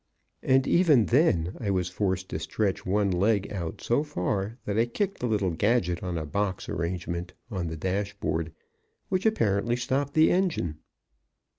And even then I was forced to stretch one leg out so far that I kicked a little gadget on a box arrangement on the dashboard, which apparently stopped the engine.